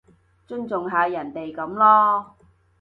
尊重下人哋噉囉